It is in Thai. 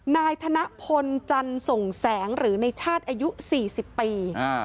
นายธนพลจันส่งแสงหรือในชาติอายุ๔๐ปี